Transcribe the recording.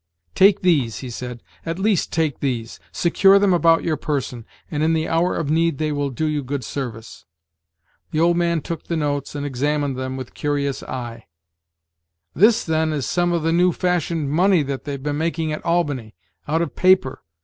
"Take these," he said, "at least take these; secure them about your person, and in the hour of need they will do you good service." The old man took the notes, and examined them with curious eye. "This, then, is some of the new fashioned money that they've been making at Albany, out of paper!